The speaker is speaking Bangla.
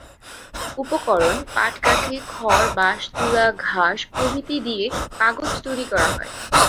উপকরণ: পাটকাঠি, খড়, বাঁশ, তুলা, ঘাস প্রভৃতি দিয়ে কাগজ তৈরি করা হয়।